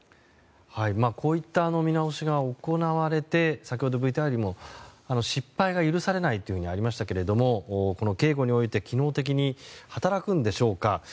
こういった見直しが行われて、先ほどＶＴＲにも失敗が許されないとありましたが警護において機能的に働くんでしょうか。